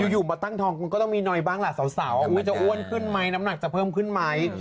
อยู่มาตั้งท้องก็มีนายบ้างแหละสาวจะอ้วนขึ้นมั้ยน้ำหนักจะเพิ่มขึ้นมั้ย